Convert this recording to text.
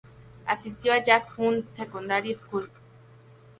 Asistió a Jack Hunt Secondary School.